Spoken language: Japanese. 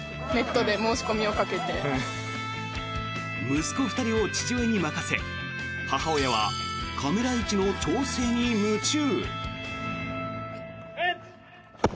息子２人を父親に任せ母親はカメラ位置の調整に夢中。